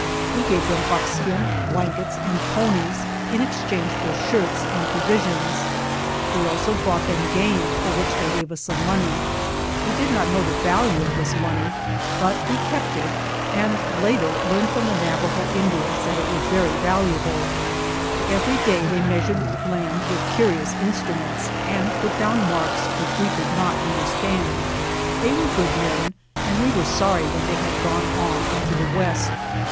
We gave them buckskin, blankets, and ponies in exchange for shirts and pro visions. We also brought them game, for which they gave us some money. We did not know the value of this money, but we kept it and later learned from the Navajo Indians that it was very valuable. 113 GERONIMO Every day they measured land with curi ous instruments and put down marks which we could not understand. They were good men, and we were sorry when they had gone on into the west.